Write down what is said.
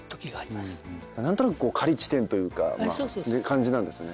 何となく仮地点というか感じなんですね。